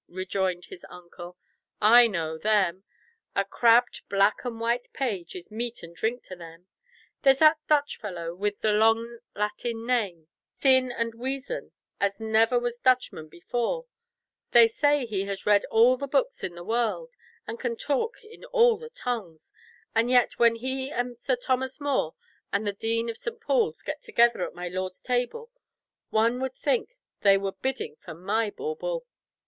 rejoined his uncle. "I know them! A crabbed black and white page is meat and drink to them! There's that Dutch fellow, with a long Latin name, thin and weazen as never was Dutchman before; they say he has read all the books in the world, and can talk in all the tongues, and yet when he and Sir Thomas More and the Dean of St. Paul's get together at my lord's table one would think they were bidding for my bauble.